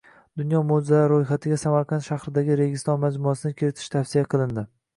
Dunyo moʻjizalari roʻyxatiga Samarqand shahridagi Registon majmuasini kiritish tavsiya qilindi.